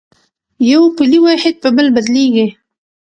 یو پولي واحد په بل بدلېږي.